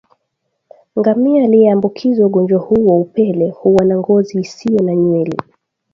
Ngamia aliyeambukizwa ugonjwa huu wa upele huwa na ngozi isiyo na nywele